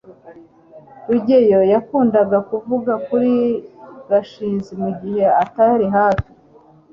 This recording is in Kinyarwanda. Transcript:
rugeyo yakundaga kuvuga kuri gashinzi mugihe atari hafi